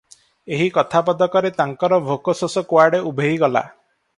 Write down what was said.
ଏହି କଥା ପଦକରେ ତାଙ୍କର ଭୋକ ଶୋଷ କୁଆଡ଼େ ଉଭେଇ ଗଲା ।